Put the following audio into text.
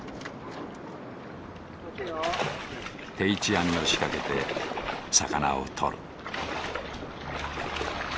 定置網を仕掛けて魚を取る。